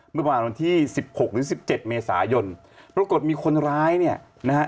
เมื่อประมาณวันที่๑๖หรือ๑๗เมษายนปรากฏมีคนร้ายเนี่ยนะฮะ